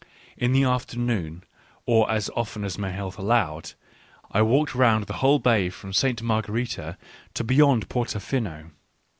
In the afternoon, or as often as my health allowed, I walked round the whole bay from Santa Margherita to beyond Porto Fino.